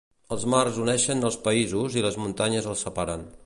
Els mars uneixen els països i les muntanyes els separen.